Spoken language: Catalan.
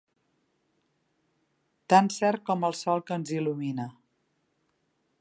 Tan cert com el sol que ens il·lumina.